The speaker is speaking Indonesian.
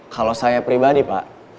kalau saya pribadi pak